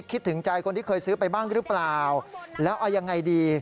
คิดถึงใจคนที่เคยซื้อไปบ้างหรือเปล่าแล้วเอายังไงดี